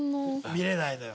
見れないのよ。